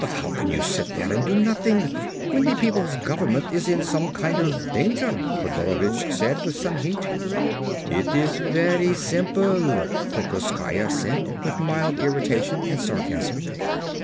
"How can you just sit there and do nothing when the people's government is in some kind of danger?" Kodorovich said with some heat. "It is very simple," Plekoskaya said with mild irritation and sarcasm.